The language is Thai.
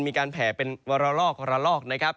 มีการแผลเป็นวรรลอกนะครับ